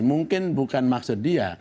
mungkin bukan maksud dia